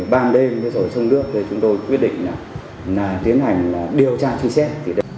ban đêm sông nước chúng tôi quyết định tiến hành điều tra truy xét